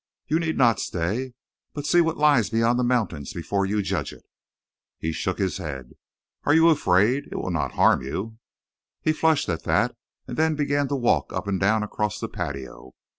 You need not stay! But see what lies beyond the mountains before you judge it!" He shook his head. "Are you afraid? It will not harm you." He flushed at that. And then began to walk up and down across the patio.